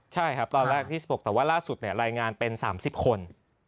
ใช่ครับตอนแรกที่๑๖แต่ว่าล่าสุดรายงานเป็น๓๐คน